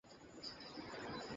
ব্যুকের জীবনে আসা নতুন কোনও রমণী?